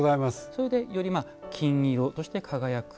それでより金色として輝く。